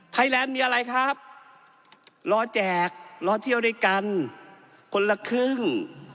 แลนด์มีอะไรครับรอแจกรอเที่ยวด้วยกันคนละครึ่ง